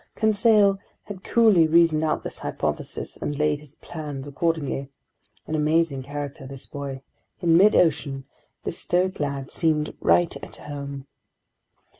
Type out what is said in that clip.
Conseil had coolly reasoned out this hypothesis and laid his plans accordingly. An amazing character, this boy; in midocean, this stoic lad seemed right at home!